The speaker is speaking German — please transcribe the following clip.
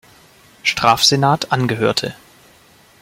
Strafsenat angehörte.